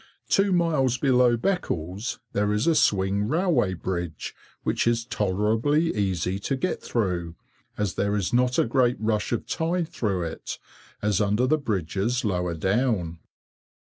Two miles below Beccles there is a swing railway bridge, which is tolerably easy to get through, as there is not a great rush of tide through it, as under the bridges lower down.